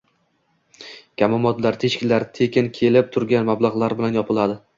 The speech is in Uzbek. kamomadlar, «teshiklar» tekin kelib turgan mablag‘lar bilan «yopiladi».